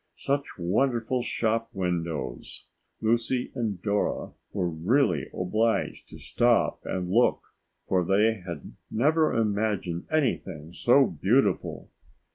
Such wonderful shop windows! Lucy and Dora were really obliged to stop and look, for they had never imagined anything so beautiful.